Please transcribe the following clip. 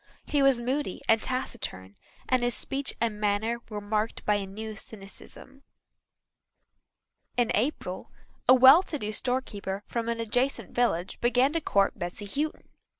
He was moody and taciturn and his speech and manner were marked by a new cynicism. In April a well to do storekeeper from an adjacent village began to court Bessy Houghton.